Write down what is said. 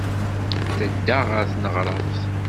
Tedda ɣer tneɣraft.